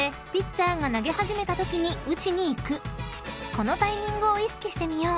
［このタイミングを意識してみよう］